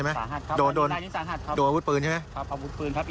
๒ลายครับ